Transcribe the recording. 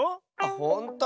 ほんと？